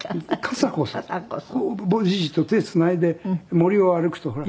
じいじと手つないで森を歩くとほら。